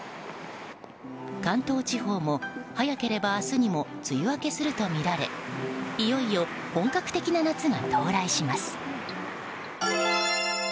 関東地方も、早ければ明日にも梅雨明けするとみられいよいよ本格的な夏が到来します。